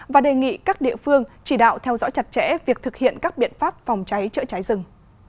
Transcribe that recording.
và đề nghị các địa phương chỉ đạo theo dõi chặt chẽ việc thực hiện các biện pháp phòng cháy chữa cháy rừng